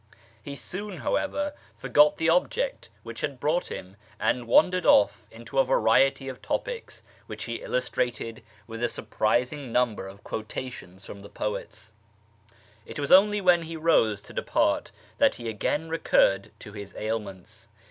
He soon, however, forgot the object which had brought him, and wandered off into a variety of topics, which he illustrated with a surprising number of quotations from the poets ; and it was only when he rose to depart that he again recurred to his ailments.